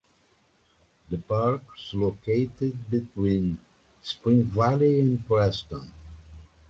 The park is located between Spring Valley and Preston.